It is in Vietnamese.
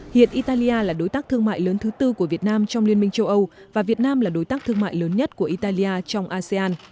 hiện italia là đối tác thương mại lớn thứ tư của việt nam trong liên minh châu âu và việt nam là đối tác thương mại lớn nhất của italia trong asean